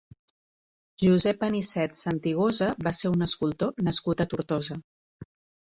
Josep Anicet Santigosa va ser un escultor nascut a Tortosa.